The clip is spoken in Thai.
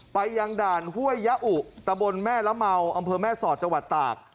ไปยังด่านห้วยยะอุตะบนแม่ละเมาอำเภอแม่สอดจังหวัดตาก